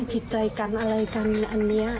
ผิดใจกันอะไรกัน